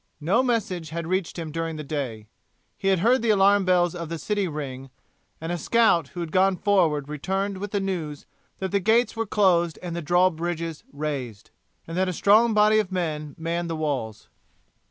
No message had reached him during the day. He had heard the alarm bells of the city ring, and a scout who had gone forward returned with the news that the gates were closed and the drawbridges raised, and that a strong body of men manned the walls.